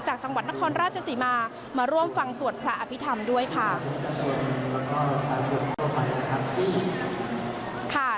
จังหวัดนครราชศรีมามาร่วมฟังสวดพระอภิษฐรรมด้วยค่ะ